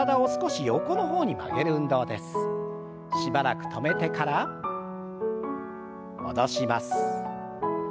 しばらく止めてから戻します。